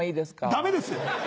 ダメです！